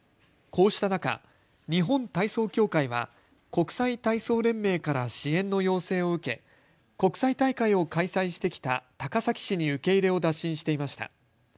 こうした中、日本体操協会は国際体操連盟から支援の要請を受け、国際大会を開催してきた高崎市に受け入れを打診していました。